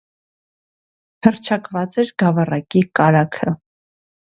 Հռչակված էր գավառակի կարագը։